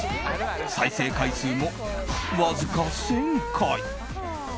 再生回数もわずか１０００回。